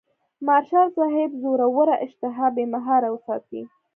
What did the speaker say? مارشال صاحب زوروره اشتها بې مهاره وساتي.